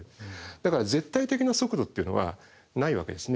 だから絶対的な速度っていうのはないわけですね。